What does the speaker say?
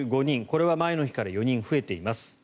これは前の日から４人増えています。